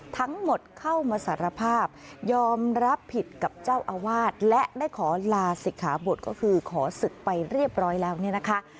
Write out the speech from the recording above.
ทั้งหมดเข้ามาสารภาพยอมรับผิดกับเจ้าอาวาสและได้ขอลาศิกขาบทก็คือขอศึกไปเรียบร้อยแล้วเนี่ยนะคะ